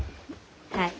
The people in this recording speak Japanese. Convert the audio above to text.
はい。